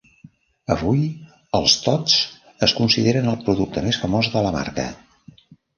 Avui, els tots es consideren el producte més famós de la marca.